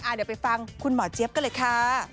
เดี๋ยวไปฟังคุณหมอเจี๊ยบกันเลยค่ะ